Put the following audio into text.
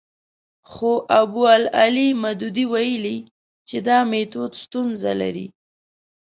خو ابوالاعلی مودودي ویلي چې دا میتود ستونزه لري.